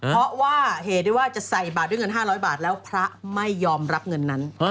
เพราะว่าเหตุได้ว่าจะใส่บาทด้วยเงิน๕๐๐บาทแล้วพระไม่ยอมรับเงินนั้น